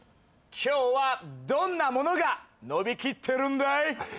今日はどんなものがのびきってるんだい？